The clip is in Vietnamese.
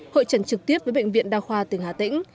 hội trần trực tiếp với bệnh viện đa khoa tỉnh hà tĩnh